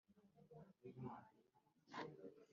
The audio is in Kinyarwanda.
Hanyuma Hananiya wo mu bavangaga amavuta bakurikiraho asana